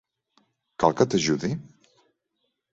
Cal que t'ajudi?